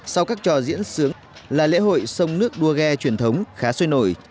sau các trò diễn sướng là lễ hội sông nước đua ghe truyền thống khá sôi nổi